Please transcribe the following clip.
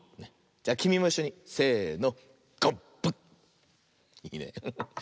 じゃきみもいっしょにせの。